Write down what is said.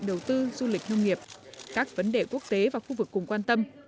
đầu tư du lịch nông nghiệp các vấn đề quốc tế và khu vực cùng quan tâm